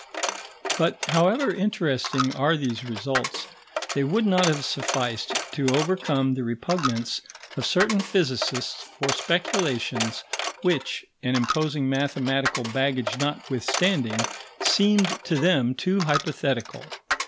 But however interesting are these results, they would not have sufficed to overcome the repugnance of certain physicists for speculations which, an imposing mathematical baggage notwithstanding, seemed to them too hypothetical.